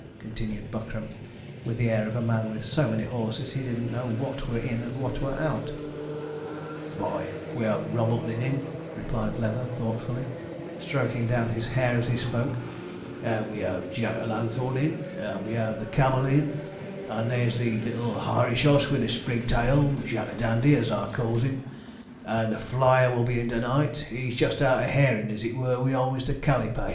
continued Buckram, with the air of a man with so many horses that he didn't know what were in and what were out. 'Vy we 'ave Rumbleton in,' replied Leather, thoughtfully, stroking down his hair as he spoke, 'and we 'ave Jack o'Lanthorn in, and we 'ave the Camel in, and there's the little Hirish oss with the sprig tail Jack a Dandy, as I calls him, and the Flyer will be in to night, he's just out a hairing, as it were, with old Mr. Callipash.'